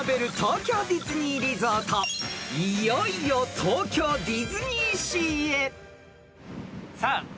［いよいよ東京ディズニーシーへ］